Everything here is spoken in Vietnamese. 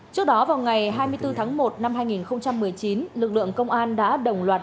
trước đó vào ngày hai mươi bốn tháng một năm hai nghìn một mươi chín lực lượng công an đã đồng loạt